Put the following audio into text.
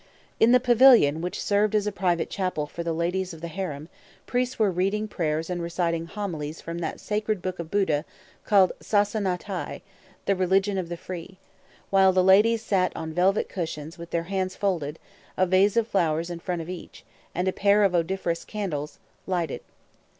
In the pavilion, which served as a private chapel for the ladies of the harem, priests were reading prayers and reciting homilies from that sacred book of Buddha called Sâsânâh Thai, "The Religion of the Free"; while the ladies sat on velvet cushions with their hands folded, a vase of flowers in front of each, and a pair of odoriferous candles, lighted.